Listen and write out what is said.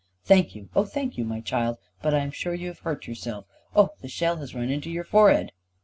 Thank you, oh thank you, my child. But I am sure you have hurt yourself. Oh, the shell has run into your forehead."